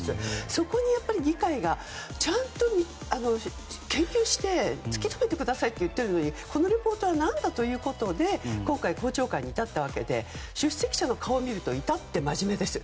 そこに議会が、ちゃんと研究して突き止めてくださいと言ったのにこのレポートは何だということで今回、公聴会に至りまして出席者の顔を見るといたって真面目です。